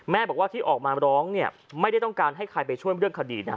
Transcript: บอกว่าที่ออกมาร้องเนี่ยไม่ได้ต้องการให้ใครไปช่วยเรื่องคดีนะฮะ